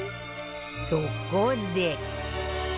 そこで